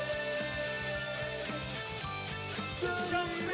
โอ้โหไม่พลาดกับธนาคมโดโด้แดงเขาสร้างแบบนี้